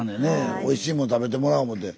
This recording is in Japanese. おいしいもん食べてもらおう思て。